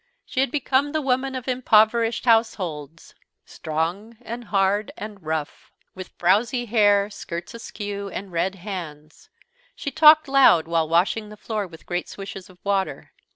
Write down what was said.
She had become the woman of impoverished households strong and hard and rough. With frowsy hair, skirts askew, and red hands, she talked loud while washing the floor with great swishes of water.